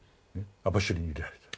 網走に入れられた。